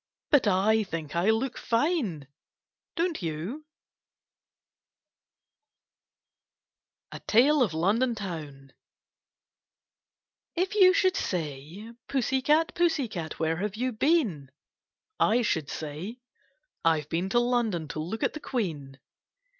But I think I look fine, don't you ! 44 KITTEIN^S AM) CATS A TALE OF LONDON TOWN If you should say :* Pussy cat, pussy cat, Where have you been ?' I should say :— I 've been to London To look at the Queen.'